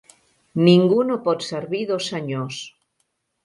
Ningú no pot servir dos senyors.